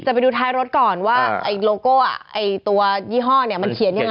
ไปดูท้ายรถก่อนว่าไอ้โลโก้ตัวยี่ห้อเนี่ยมันเขียนยังไง